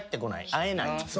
会えない。